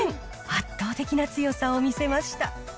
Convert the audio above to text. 圧倒的な強さを見せました。